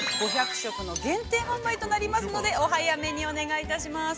５００食の限定販売となりますので、お早めにお願いいたします。